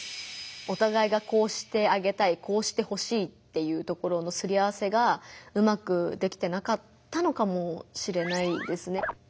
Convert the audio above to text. おたがいがこうしてあげたいこうしてほしいっていうところのすり合わせがうまくできてなかったのかもしれないですね。